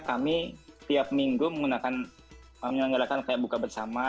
kami tiap minggu menggunakan kami mengadakan kayak buka bersama